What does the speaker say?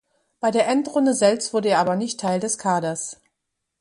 Bei der Endrunde selbst wurde er aber nicht Teil des Kaders.